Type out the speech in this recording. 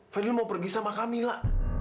fadil mau pergi sama kamila